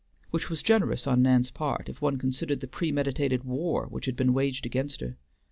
Which was generous on Nan's part, if one considered the premeditated war which had been waged against her.